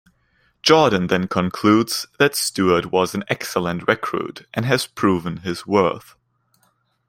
Jordan then concludes that Stewart was an excellent recruit and has proven his worth.